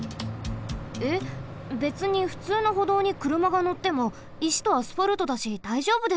えっべつにふつうのほどうにくるまがのってもいしとアスファルトだしだいじょうぶでしょ。